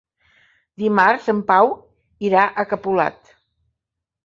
Dimarts en Pau irà a Capolat.